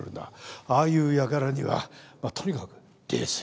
ああいうやからにはまあとにかく冷静に冷静に。